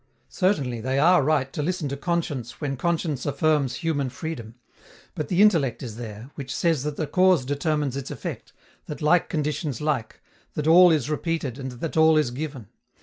Certainly they are right to listen to conscience when conscience affirms human freedom; but the intellect is there, which says that the cause determines its effect, that like conditions like, that all is repeated and that all is given.